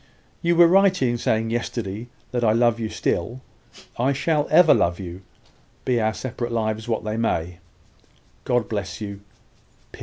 You were right in saying yesterday that I love you still. I shall ever love you, be our separate lives what they may. God bless you!